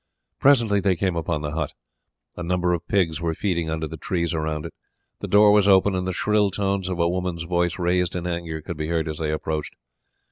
Presently they came upon the hut. A number of pigs were feeding under the trees around it; the door was open, and the shrill tones of a woman's voice raised in anger could be heard as they approached.